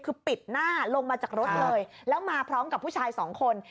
คือปิดหน้าลงมาจากรถเลยแล้วมาพร้อมกับผู้ชายสองคน